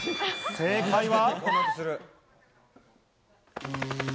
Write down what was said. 正解は。